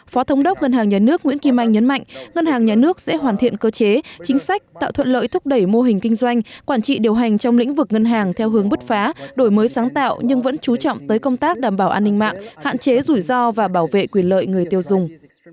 phó thống đốc ngân hàng nhà nước nguyễn kim anh nhấn mạnh ngân hàng nhà nước sẽ hoàn thiện cơ chế chính sách tạo thuận lợi thúc đẩy mô hình kinh doanh quản trị điều hành trong lĩnh vực ngân hàng theo hướng bứt phá đổi mới sáng tạo nhưng vẫn trú trọng tới công tác đảm bảo an ninh mạng hạn chế rủi ro và bảo vệ quyền lợi người tiêu dùng